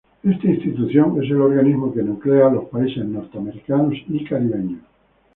Esta institución es el organismo que nuclea a los países norteamericanos y caribeños.